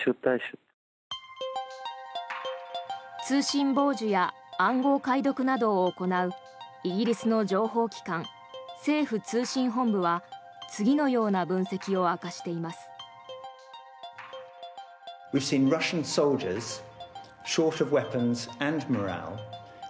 通信傍受や暗号解読などを行うイギリスの情報機関政府通信本部は次のような分析を明かしています。